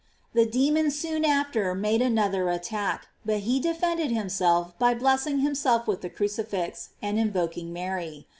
The demons soon after made another attack, but he defended himself by blessing him self with the crucifix, and invoking Mary.